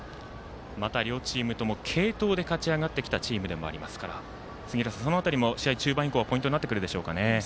また、両チームとも継投で勝ち上がってきたチームでもありますからその辺りも試合、中盤以降はポイントになってくるでしょうか。